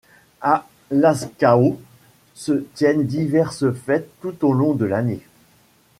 À Lazkao se tiennent diverses fêtes tout au long de l'année.